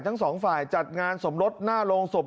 ทั้งสองฝ่ายจัดงานสมรสหน้าโรงศพ